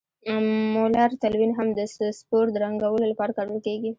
مولر تلوین هم د سپور د رنګولو لپاره کارول کیږي.